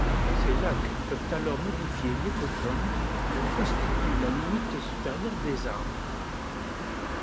Ces lacs peuvent alors modifier l'écotone que constitue la limite supérieure des arbres.